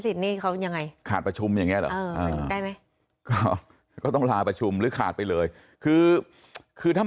เลยยังไงค่าประชุมอย่างนี้ละก็ต้องลาประชุมหรือขาดไปเลยคือคือถ้า